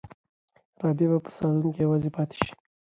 رابعه به په صالون کې یوازې پاتې شي.